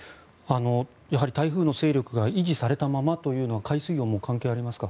やはり台風の勢力が維持されたままというのは海水温も関係ありますか？